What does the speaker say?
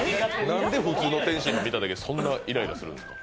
なんで普通の天津飯見ただけでそんなイライラするんですか？